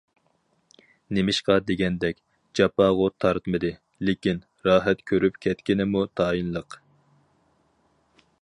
نېمىشقا دېگەندە، جاپاغۇ تارتمىدى، لېكىن، راھەت كۆرۈپ كەتكىنىمۇ تايىنلىق.